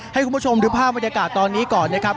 ให้คุณผู้ชมดูภาพบรรยากาศตอนนี้ก่อนนะครับ